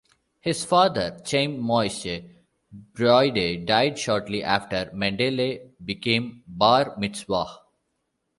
His father, Chaim Moyshe Broyde, died shortly after Mendele became Bar Mitzvah.